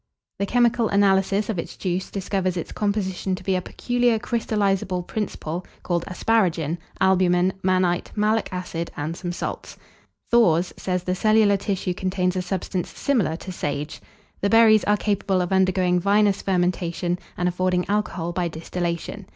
The chemical analysis of its juice discovers its composition to be a peculiar crystallizable principle, called asparagin, albumen, mannite, malic acid, and some salts. Thours says, the cellular tissue contains a substance similar to sage. The berries are capable of undergoing vinous fermentation, and affording alcohol by distillation.